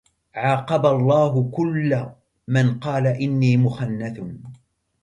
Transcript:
عاقب الله كل من قال إني مخنث